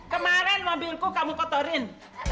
kemaren mobilku kamu kotorin